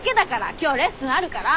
今日レッスンあるから。